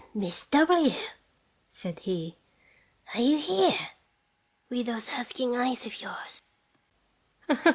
"Miss W !" said he, "are you here? with those asking eyes of yours?